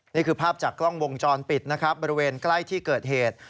นี่คือภาพจากกล้องวงจรปิดนะครับบริเวณใกล้ที่เกิดเหตุ